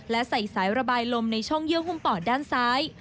และใส่สายระบายลมในช่องเยื่อหุ้มปอดด้านซ้าย